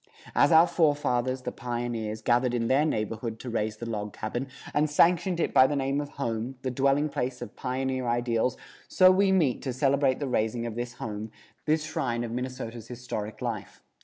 As our forefathers, the pioneers, gathered in their neighborhood to raise the log cabin, and sanctified it by the name of home, the dwelling place of pioneer ideals, so we meet to celebrate the raising of this home, this shrine of Minnesota's historic life.